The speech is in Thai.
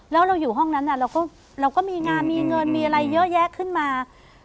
แล้วเราอยู่ห้องนั้นเราก็มีงานมีเงินมีอะไรเยอะแยะขึ้นมา